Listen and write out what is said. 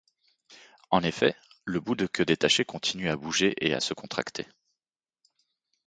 En effet, le bout de queue détachée continue à bouger et à se contracter.